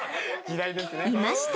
［いました！］